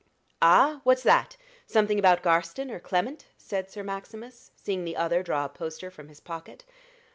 "Ah! what's that? Something about Garstin or Clement?" said Sir Maximus, seeing the other draw a poster from his pocket.